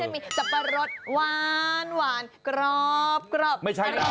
มีสับปะรสหวานกรอบอะไรอร่อย